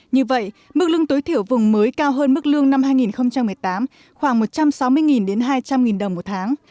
như vậy mức lương tối thiểu vùng mới cao hơn mức lương năm hai nghìn một mươi tám khoảng một trăm sáu mươi đến hai trăm linh đồng một tháng